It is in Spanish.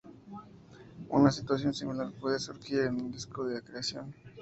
Una situación similar puede surgir en un disco de acreción.